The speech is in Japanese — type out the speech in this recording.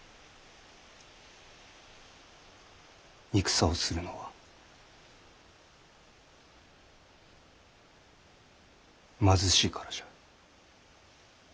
戦をするのは貧しいからじゃ。